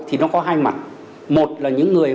thì nó có hai mặt một là những người